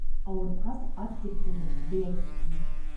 Ауыртҡас ат типте ни, бейә типте ни.